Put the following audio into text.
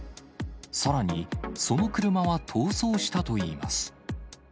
さらにその車は逃走したといいます。